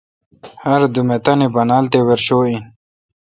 ہردوم اے،° تانی بانال تے ورشو این۔